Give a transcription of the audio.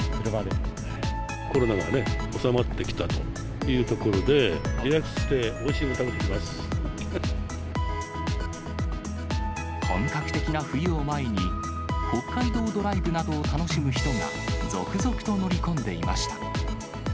コロナが収まってきたというところで、リラックスして、本格的な冬を前に、北海道ドライブなどを楽しむ人が、続々と乗り込んでいました。